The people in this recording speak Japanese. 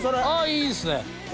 いいっすね。